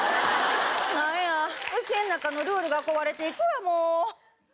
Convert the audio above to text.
なんやうちの中のルールが壊れていくわもう。